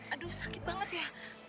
aduh sakit banget ya